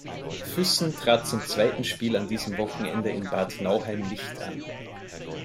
Füssen trat zum zweiten Spiel an diesem Wochenende in Bad Nauheim nicht an.